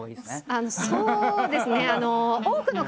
ああそうですね！